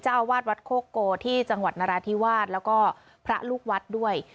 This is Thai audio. อาวาสวัดโคโกที่จังหวัดนราธิวาสแล้วก็พระลูกวัดด้วย